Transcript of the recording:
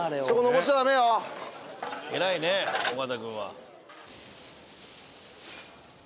偉いね尾形君は。